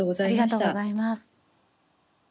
ありがとうございます。